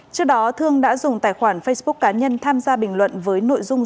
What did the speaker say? trước đó thương đã dùng tài khoản facebook cá nhân tham gia bình luận với nội dung